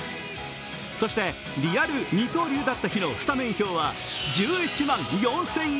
そして、リアル二刀流だった日のスタメン表は１１万４０００円。